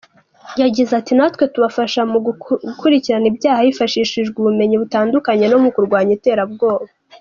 Yagize ati “Natwe tubafasha mu gukurikirana ibyaha hifashishijwe ubumenyi butandukanye no mu kurwanya iterabwoba.